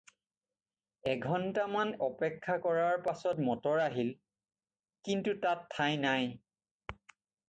এঘণ্টামান অপেক্ষা কৰাৰ পাচত মটৰ আহিল, কিন্তু তাত ঠাই নাই।